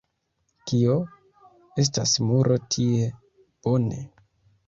Kio? Estas muro tie. Bone.